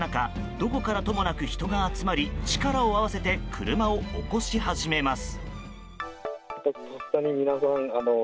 どこからともなく人が集まり力を合わせて車を起こし始めます。